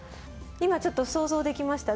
今ちょっと想像できました。